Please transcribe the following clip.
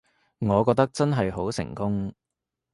我覺得真係好成功